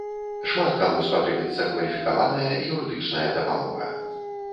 Шмат каму спатрэбіцца кваліфікаваная юрыдычная дапамога.